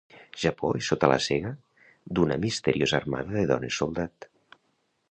Japó és sota la sega d'una misteriosa armada de dones soldat.